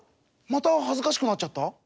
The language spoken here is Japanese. またはずかしくなっちゃった？